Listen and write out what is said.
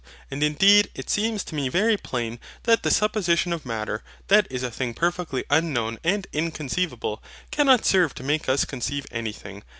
And indeed it seems to me very plain that the supposition of Matter, that is a thing perfectly unknown and inconceivable, cannot serve to make us conceive anything.